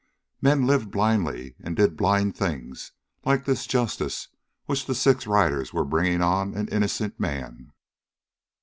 Men lived blindly and did blind things, like this "justice" which the six riders were bringing on an innocent man.